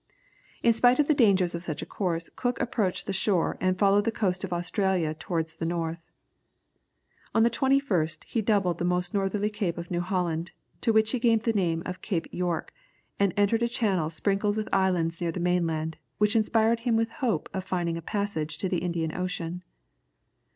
In spite of the dangers of such a course, Cook approached the shore, and followed the coast of Australia towards the north. On the 21st he doubled the most northerly cape of New Holland, to which he gave the name of Cape York, and entered a channel sprinkled with islands near the mainland, which inspired him with the hope of finding a passage to the Indian Ocean.